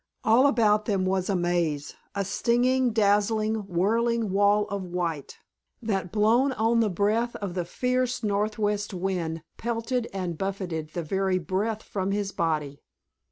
All about them was a maze, a stinging, dazzling, whirling wall of white, that blown on the breath of the fierce northwest wind pelted and buffeted the very breath from his body.